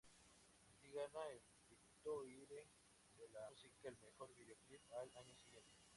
Así gana el Victoire de la música al mejor video-clip al año siguiente.